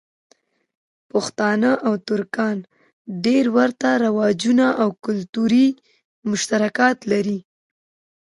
پښتانه او ترکان ډېر ورته رواجونه او کلتوری مشترکات لری.